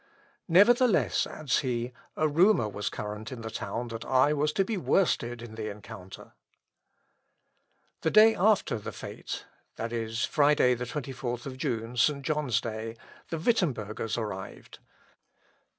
"Nevertheless," adds he, "a rumour was current in the town that I was to be worsted in the encounter." The day after the fête, viz., Friday, 24th June, (St. John's Day,) the Wittembergers arrived.